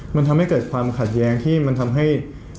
มันทำให้เกิดความขัดแย้งที่มันทำให้